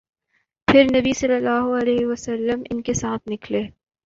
پھر نبی صلی اللہ علیہ وسلم ان کے ساتھ نکلے